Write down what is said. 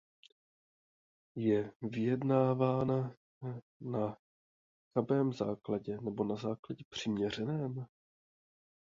Je vyjednávána na chabém základě nebo na základě přiměřeném?